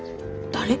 誰？